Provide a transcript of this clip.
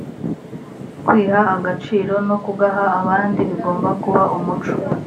kwiha agaciro no kugaha abandi bigomba kuba umuco